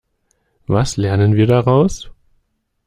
Was lernen wir daraus?